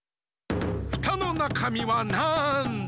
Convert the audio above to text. フタのなかみはなんだ？